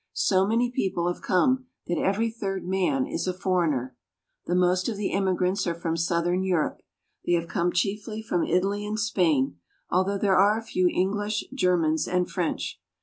So many people have come that every third man is a foreigner. The most of the immigrants are from southern Europe. They have come chiefly from Italy and Spain, although there are a few English, Germans, and French.